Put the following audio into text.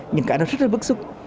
nhưng cái đó rất là bất xúc